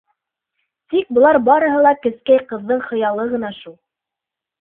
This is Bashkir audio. Тик былар барыһы ла кескәй ҡыҙҙың хыялы ғына шул.